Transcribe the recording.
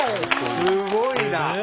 すごいな。